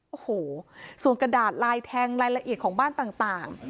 โอ้โหส่วนกระดาษลายแทงรายละเอียดของบ้านต่าง